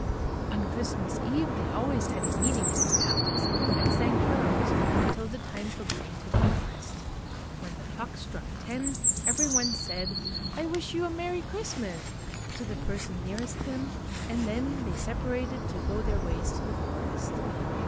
On Christmas Eve they always had a meeting at the palace, and sang carols until the time for going 142 IN THE GREAT WALLED COUNTRY to the forest. When the clock struck ten every one said, " I wish you a Merry Christinas! " to the person nearest him, and then they separated to go their ways to the forest.